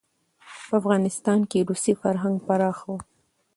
په افغانستان کې روسي فرهنګ پراخه و.